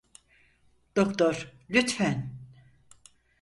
Doktor, lütfen.